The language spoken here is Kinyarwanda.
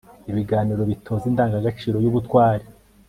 ibiganiro bitoza indangagaciro y'ubutwari